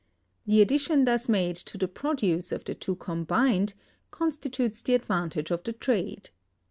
The addition thus made to the produce of the two combined constitutes the advantage of the trade.